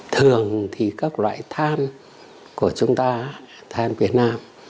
thường thì các loại than của chúng ta then việt nam